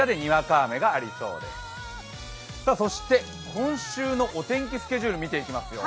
今週のお天気スケジュール見ていきます。